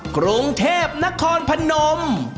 กรุงเทพนครพนม